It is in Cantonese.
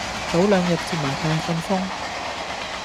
早兩日接埋大信封